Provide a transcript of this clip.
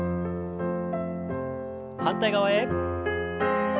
反対側へ。